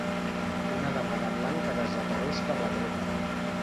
Una dama de blanc que desapareix per la dreta.